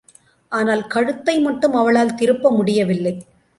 ஆனால், கழுத்தை மட்டும் அவளால் திருப்ப முடியவில்லை.